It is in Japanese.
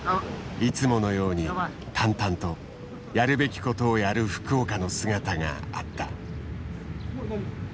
いつものように淡々とやるべきことをやる福岡の姿があった。